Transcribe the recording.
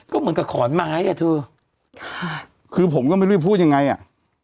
ก็เหมือนกับขอนไม้อ่ะเธอค่ะคือผมก็ไม่รู้จะพูดยังไงอ่ะ